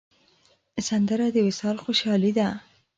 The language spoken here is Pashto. سندره د وصال خوشحالي ده